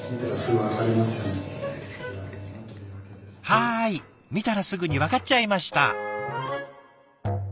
はい見たらすぐにわかっちゃいました。